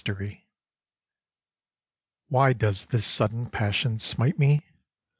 20 WHY does this sudden passion smite me ?